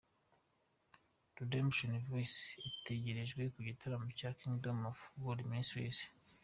Redemption Voice itegerejwe mu gitaramo cya Kingdom of God Ministries.